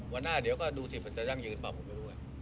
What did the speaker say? วันหน้าเดี๋ยวก็ดูสิมันจะยั่งยืนป่ะผมไม่รู้ไง